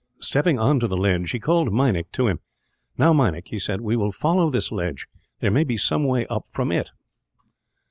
Stepping on to the ledge, he called Meinik to him. "Now, Meinik," he said, "we will follow this ledge. There may be some way up from it."